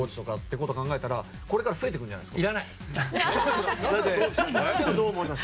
それ考えたらこれから増えてくるんじゃないですか？